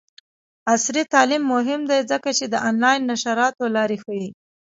عصري تعلیم مهم دی ځکه چې د آنلاین نشراتو لارې ښيي.